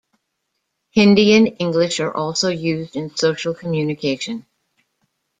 Hindi and English are also used in social communication.